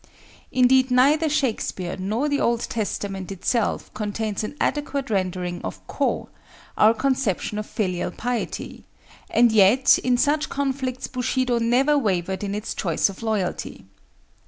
Indeed neither Shakespeare nor the Old Testament itself contains an adequate rendering of ko, our conception of filial piety, and yet in such conflicts Bushido never wavered in its choice of Loyalty.